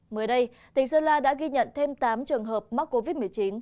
mới đây tỉnh sơn la đã ghi nhận thêm tám trường hợp mắc covid một mươi chín